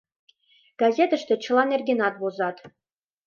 Газетыште чыла нергенат возат.